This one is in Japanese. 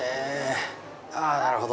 ああなるほど。